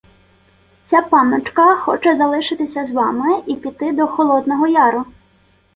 — Ця панночка хоче залишитися з вами і піти до Холодного Яру.